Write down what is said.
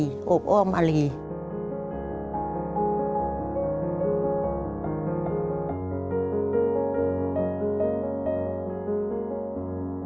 เหมือนกับผู้หญิงอยากรู้หวังว่าจะทำให้คนอื่นไป